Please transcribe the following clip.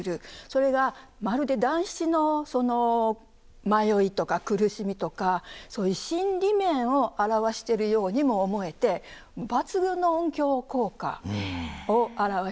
それがまるで団七のその迷いとか苦しみとかそういう心理面を表してるようにも思えて抜群の音響効果を表しますし。